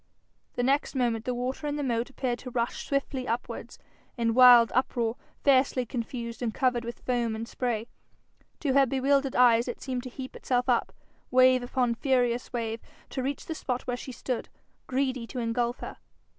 The next moment the water in the moat appeared to rush swiftly upwards, in wild uproar, fiercely confused, and covered with foam and spray. To her bewildered eyes, it seemed to heap itself up, wave upon furious wave, to reach the spot where she stood, greedy to engulf her.